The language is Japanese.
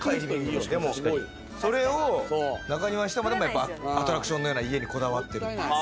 でもそれを中庭にしてまでも、やっぱりアトラクションのような家にこだわってる。